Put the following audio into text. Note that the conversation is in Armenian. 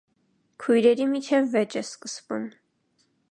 Քույրերի միջև վեճ է սկսվում։